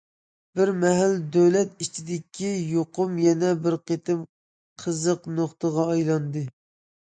بىر مەھەل، دۆلەت ئىچىدىكى يۇقۇم يەنە بىر قېتىم قىزىق نۇقتىغا ئايلاندى.